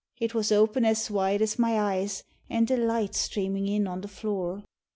It was open as wide as my eyes, an' the light strainin' in on the flure.